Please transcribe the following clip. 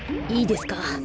いいですか？